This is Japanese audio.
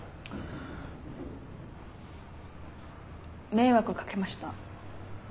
迷惑かけました。